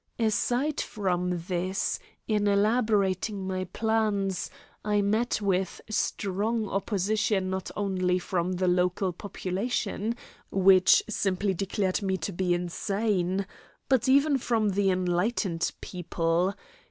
Aside from this, in elaborating my plans, I met with strong opposition not only from the local population, which simply declared me to be insane, but even from the enlightened people.